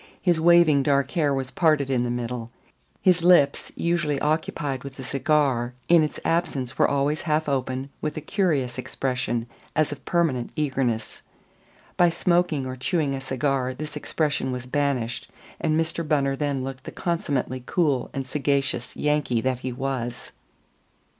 His waving dark hair was parted in the middle. His lips, usually occupied with a cigar, in its absence were always half open with a curious expression as of permanent eagerness. By smoking or chewing a cigar this expression was banished, and Mr. Bunner then looked the consummately cool and sagacious Yankee that he was.